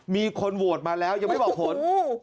มีคนโหวตมาแล้วยังไม่บอกผล